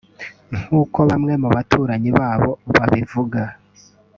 nk’uko bamwe mu baturanyi babo babivuga